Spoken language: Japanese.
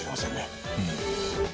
うん。